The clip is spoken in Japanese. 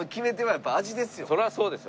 そりゃそうですよ。